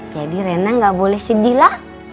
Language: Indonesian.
jadi rena gak boleh sedih lah